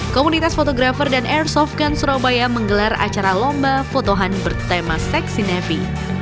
komunitas fotografer dan airsoft gun surabaya menggelar acara lomba foto hun bertema seksi navy